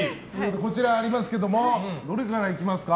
こちらにありますけどもどれからいきますか？